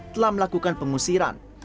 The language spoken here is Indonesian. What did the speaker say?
telah melakukan pengusiran